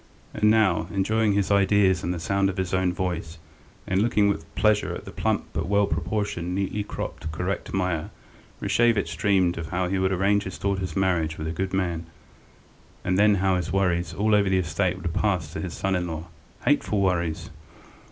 And now, enjoying his ideas and the sound of his own voice, and looking with pleasure at the plump but well proportioned, neatly cropped, correct Meier, Rashevitch dreamed of how he would arrange his daughter's marriage with a good man, and then how all his worries over the estate would pass to his son in law. Hateful worries!